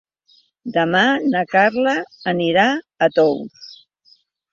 Demà na Carla anirà a Tous.